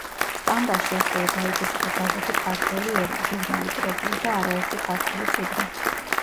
სტამბაში ასევე დაიბეჭდა გაზეთი „ქართველი ერი“, ჟურნალი „კრებული“ და არაერთი ქართული წიგნი.